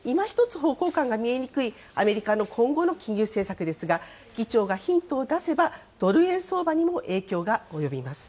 いま一つ方向感が見えにくいアメリカの今後の金融政策ですが、議長がヒントを出せば、ドル円相場にも影響が及びます。